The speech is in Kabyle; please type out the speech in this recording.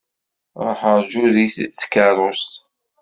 Ṛuḥ rǧu deg tkeṛṛust.